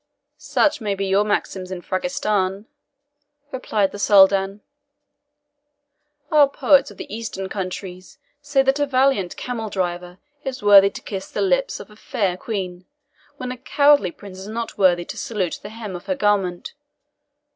"Such may be your maxims in Frangistan," replied the Soldan. "Our poets of the Eastern countries say that a valiant camel driver is worthy to kiss the lip of a fair Queen, when a cowardly prince is not worthy to salute the hem of her garment.